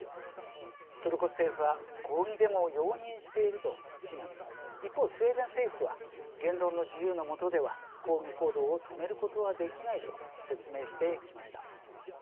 トルコ政府は抗議デモを容認していると非難一方スウェーデン政府は言論の自由のもとでは抗議行動を止めることはできないと説明してきました。